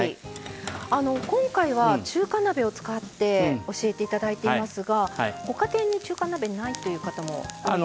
今回は中華鍋を使って教えて頂いていますがご家庭に中華鍋ないという方も。